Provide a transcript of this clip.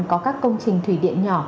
có các công trình thủy điện nhỏ